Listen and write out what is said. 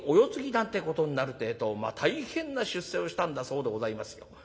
ことになるってえと大変な出世をしたんだそうでございますよ。